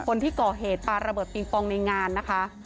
คนที่ก่อเหตุปลาระเบิดปิงปองในงานนะคะ